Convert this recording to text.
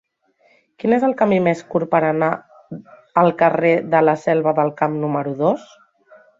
Quin és el camí més curt per anar al carrer de la Selva del Camp número dos?